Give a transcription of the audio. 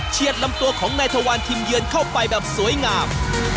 ลำตัวของนายทวารทีมเยือนเข้าไปแบบสวยงาม